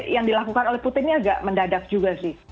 yang dilakukan oleh putin ini agak mendadak juga sih